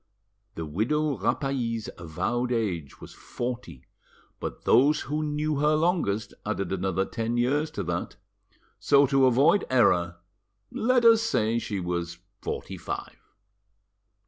The widow Rapally's avowed age was forty, but those who knew her longest added another ten years to that: so, to avoid error, let us say she was forty five.